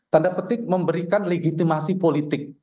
tanda petik memberikan legitimasi politik